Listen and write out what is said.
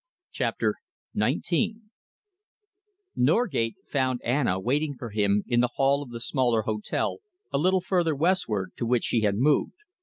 CHAPTER XIX Norgate found Anna waiting for him in the hall of the smaller hotel, a little further westward, to which she had moved.